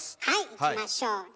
はいいきましょう。